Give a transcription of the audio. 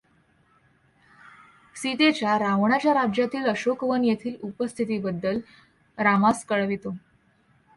सीतेच्या रावणाच्या राज्यातील अशोकवन येथील उपस्थितीबद्दल रामास कळवितो.